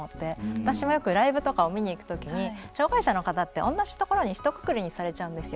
私もよくライブとかを見に行くときに障害者の方って同じところにひとくくりにされちゃうんですよ。